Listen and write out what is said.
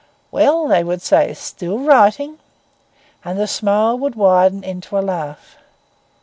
'Well!' they would say: 'still writing?' And the smile would widen into a laugh.